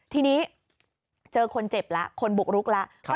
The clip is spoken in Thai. ทีนี้เจอคนเจ็บแล้วคนบุกรุกแล้ว